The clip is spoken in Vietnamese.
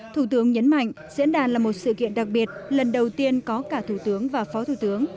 thủ tướng nhấn mạnh diễn đàn là một sự kiện đặc biệt lần đầu tiên có cả thủ tướng và phó thủ tướng